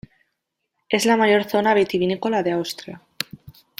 Es la mayor zona vitivinícola de Austria.